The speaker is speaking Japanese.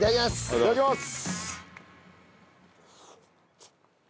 いただきます。